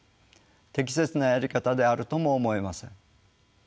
適切なやり方であるとも思えません。